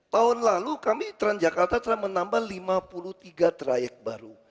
tahun lalu kami transjakarta telah menambah lima puluh tiga trayek baru